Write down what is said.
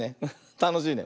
たのしいね。